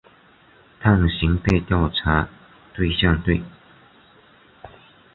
探寻被调查对象对。